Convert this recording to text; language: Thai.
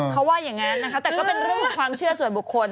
เขาว่าอย่างนั้นนะคะแต่ก็เป็นเรื่องของความเชื่อส่วนบุคคล